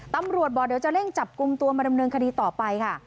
ตำรวจบอกเดี๋ยวจะเร่งจับกลุ่มตัวมาดำเนินคดีต่อไปค่ะ